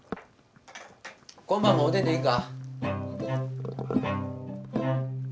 今晩もおでんでいいか？